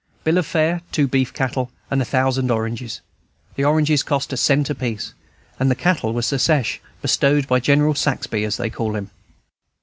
Bill of fare: two beef cattle and a thousand oranges. The oranges cost a cent apiece, and the cattle were Secesh, bestowed by General Saxby, as they all call him.